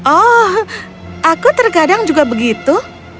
oh aku terkadang juga begitu